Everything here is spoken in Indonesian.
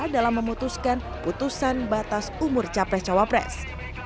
dalam memutuskan putusan batas umur capres cawapres